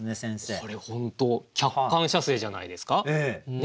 これ本当客観写生じゃないですか？